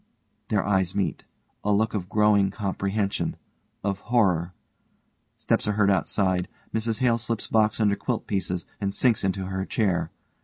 (Their eyes meet. A look of growing comprehension, of horror. Steps are heard outside. MRS HALE _slips box under quilt pieces, and sinks into her chair.